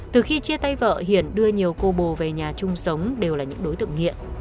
từ khi chia tay vợ hiển đưa nhiều cô bồ về nhà chung sống đều là những đối tượng nghiện